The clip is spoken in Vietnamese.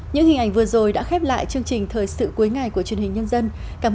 những hình ảnh vừa rồi đã khép lại chương trình thời sự cuối ngày của truyền hình nhân dân cảm